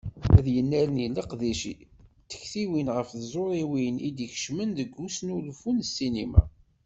Ad yennerni leqdic d tektiwin ɣef tẓuriwin i d-ikeccmen deg usnulfu n ssinima.